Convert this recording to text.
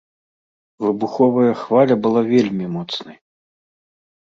Выбуховая хваля была вельмі моцнай.